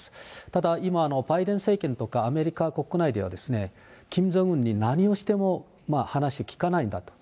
ただ、今、バイデン政権とかアメリカ国内では、キム・ジョンウンに何をしても話を聞かないんだと。